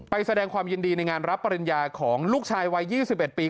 แสดงความยินดีในงานรับปริญญาของลูกชายวัย๒๑ปี